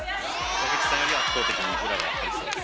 矢口さんより圧倒的に裏がありそうです。